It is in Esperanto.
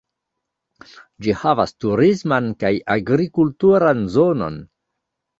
Ĝi havas turisman kaj agrikulturan zonon.